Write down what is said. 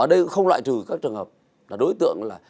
tôi phải hành động